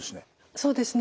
そうですね。